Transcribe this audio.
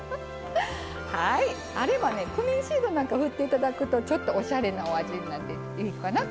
あればねクミンシードなんかを振っていただくとちょっとおしゃれなお味になっていいかなと思います。